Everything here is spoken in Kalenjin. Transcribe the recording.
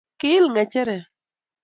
ki il ng'echere